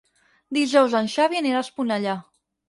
Dijous en Xavi anirà a Esponellà.